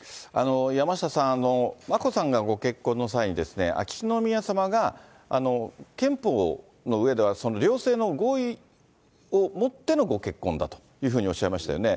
山下さん、眞子さんがご結婚の際に、秋篠宮さまが、憲法の上では、両性の合意をもってのご結婚だというふうにおっしゃいましたよね。